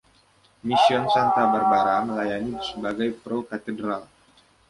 Mission Santa Barbara melayani sebagai pro-katedral.